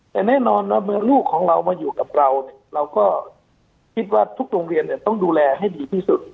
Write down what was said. แต่แน่นอนว่าเมื่อลูกของเรามาอยู่กับเราเราก็คิดว่าทุกโรงเรียนต้องดูแลให้ดีที่สุด